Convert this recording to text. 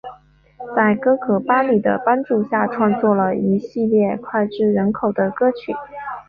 在哥哥巴里的帮助下创作了一系列脍炙人口的歌曲。